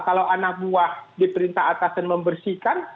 kalau anak buah diperintah atas dan membersihkan